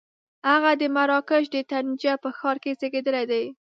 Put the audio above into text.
هغه د مراکش د طنجه په ښار کې زېږېدلی دی.